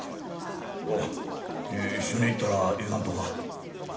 お一緒に行ったらいかんとか。